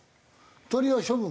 鶏は処分？